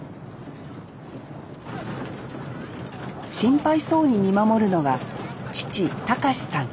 心配そうに見守るのが父隆志さん。